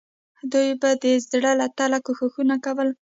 دوی به د زړه له تله کوښښونه کول.